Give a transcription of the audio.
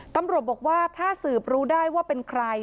ตำรวจบอกว่าถ้าสืบรู้ได้ว่าเป็นใคร